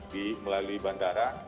di melalui bandara